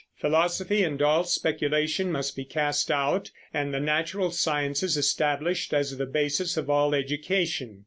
Philosophy and all speculation must be cast out and the natural sciences established as the basis of all education.